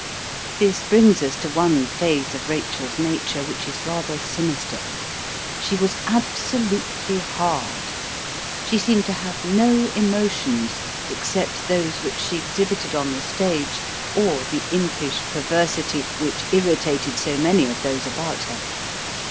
This brings us to one phase of Rachel's nature which is rather sinister. She was absolutely hard. She seemed to have no emotions except those which she exhibited on the stage or the impish perversity which irritated so many of those about her.